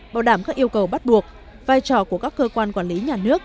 bảo đảm các yêu cầu bắt buộc vai trò của các cơ quan quản lý nhà nước